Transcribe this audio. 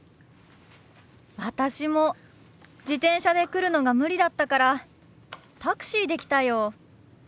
私も自転車で来るのが無理だったからタクシーで来たよ。